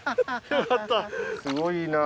すごいな。